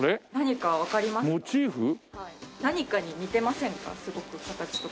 何かに似てませんか？